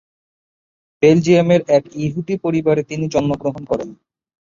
বেলজিয়ামের এক ইহুদি পরিবারে তিনি জন্মগ্রহণ করেন।